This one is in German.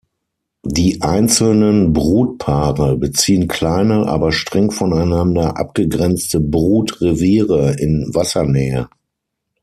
Die einzelnen Brutpaare beziehen kleine, aber streng voneinander abgegrenzte Brutreviere in Wassernähe.